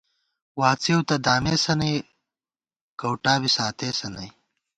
واڅېؤ تہ دامېسہ نئی، کؤٹا بی ساتېسہ نئی